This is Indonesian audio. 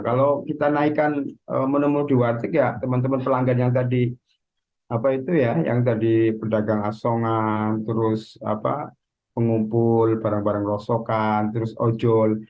kalau kita menemukan di warteg teman teman pelanggan yang tadi perdagang asongan pengumpul barang barang rosokan ojol